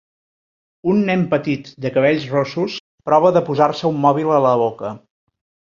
Un nen petit de cabells rossos prova de posar-se un mòbil a la boca.